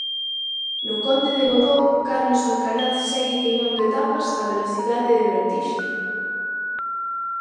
No Conde de Godó, Carlos Alcaraz segue queimando etapas a velocidade de vertixe.